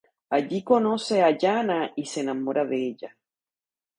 Allí conoce a Ilana y se enamora de ella.